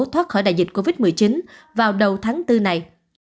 thoát khỏi đại dịch covid một mươi chín vào đầu tháng bốn này